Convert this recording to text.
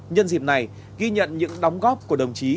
nhân dịp này ghi nhận những đóng góp của đồng chí